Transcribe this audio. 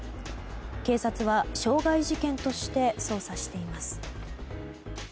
警察は傷害事件として捜査しています。